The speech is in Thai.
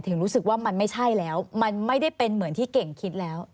รู้สึกว่ามันไม่ใช่แล้วมันไม่ได้เป็นเหมือนที่เก่งคิดแล้ว